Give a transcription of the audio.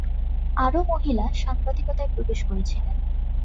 আরও মহিলা সাংবাদিকতায় প্রবেশ করেছিলেন।